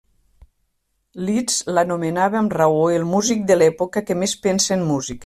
Liszt l'anomenava amb raó el músic de l'època que més pensa en música.